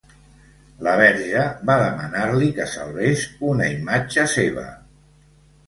La Verge va demanar-li que salvés una imatge Seva.